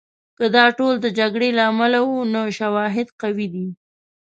که دا ټول د جګړې له امله وو، نو شواهد قوي دي.